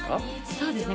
そうですね